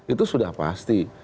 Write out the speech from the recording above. itu sudah pasti